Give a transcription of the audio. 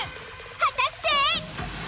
果たして。